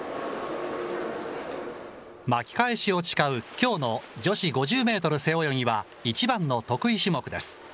巻き返しを誓うきょうの女子５０メートル背泳ぎは一番の得意種目です。